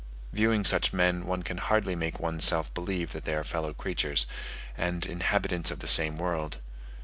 Viewing such men, one can hardly make one's self believe that they are fellow creatures, and inhabitants of the same world.